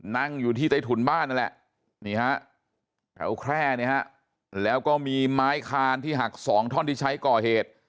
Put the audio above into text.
นั่งอยู่ที่ใต้ถุนบ้านนั่นแหละนี่ฮะแถวแคร่เนี่ยฮะแล้วก็มีไม้คานที่หัก๒ท่อนที่ใช้ก่อเหตุ